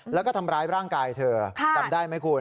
แล้วก็ทำร้ายร่างกายเธอจำได้ไหมคุณ